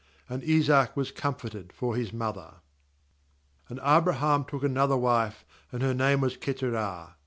And Isaac was comforted for his mother. O£ And Abraham took another ^ wife, and her name was Keturah.